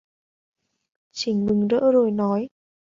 Chỉnh mừng rỡ rồi nói